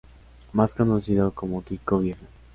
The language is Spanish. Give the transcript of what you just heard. Más conocido como Kiko Viejo.